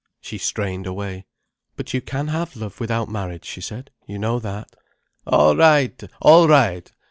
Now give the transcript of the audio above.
She strained away. "But you can have love without marriage," she said. "You know that." "All right! All right!